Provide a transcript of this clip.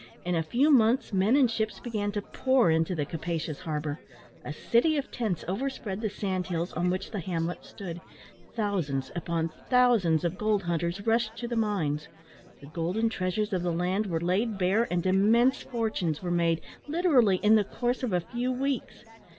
In a few months men and ships began to pour into the capacious harbour; a city of tents overspread the sand hills on which the hamlet stood; thousands upon thousands of gold hunters rushed to the mines; the golden treasures of the land were laid bare, and immense fortunes were made, literally in the course of a few weeks.